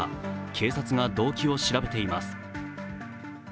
警察が動機を調べています。